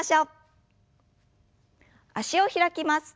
脚を開きます。